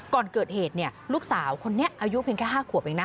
ก่อนเกิดเหตุเนี่ยลูกสาวคนนี้อายุเพียงแค่๕ขวบเองนะ